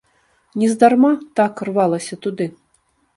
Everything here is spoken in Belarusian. Нездарма так рвалася туды.